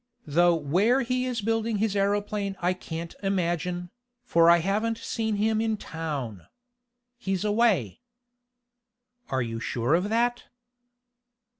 "Though where he is building his aeroplane I can't imagine, for I haven't seen him in town. He's away." "Are you sure of that?"